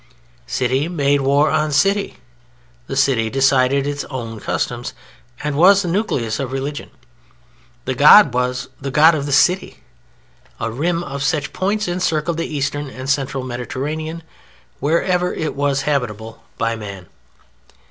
City made war on City. The City decided its own customs, and was the nucleus of religion. The God was the God of the city. A rim of such points encircled the eastern and central Mediterranean wherever it was habitable by man.